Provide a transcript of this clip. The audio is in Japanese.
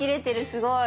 すごい。